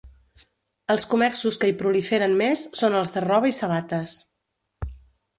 Els comerços que hi proliferen més són els de roba i sabates.